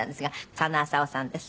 佐野浅夫さんです。